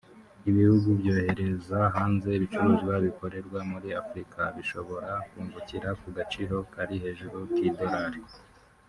Ibihugu byohereza hanze ibicuruzwa bikorerwa muri afurika bishobora kungukira ku gaciro kari hejuru k’idolari